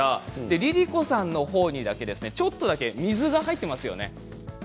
ＬｉＬｉＣｏさんの方にだけちょっとだけ入っています。